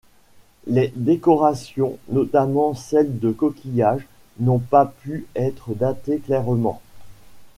Les décorations, notamment celles de coquillages, n'ont pas pu être datées clairement.